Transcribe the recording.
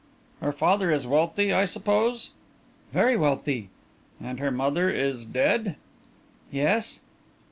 "Her father is wealthy, I suppose?" "Very wealthy." "And her mother is dead?" "Yes."